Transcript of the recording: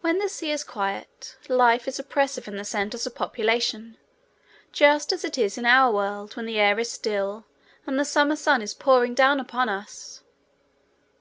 When the sea is quiet, life is oppressive in the centers of population just as it is in our world when the air is still and the summer sun is pouring down upon us.